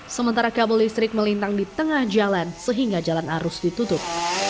sementara kabel listrik melintang di tengah jalan sehingga jalan arus ditutup